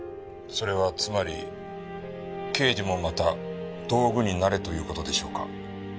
それはつまり刑事もまた道具になれという事でしょうか？